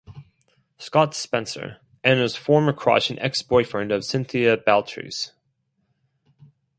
Scott Spencer - Anna's former crush and ex-boyfriend of Cynthia Baltres.